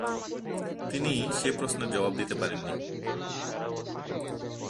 তিনি সে-প্রশ্নের জবাব দিতে পারেন নি।